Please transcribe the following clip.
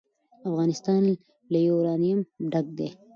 افغانستان له یورانیم ډک دی.